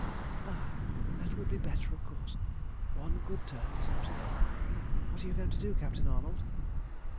"Ah, that would be better, of course. One good turn deserves another. What are you going to do, Captain Arnold?"